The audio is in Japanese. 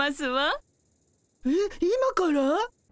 えっ今から？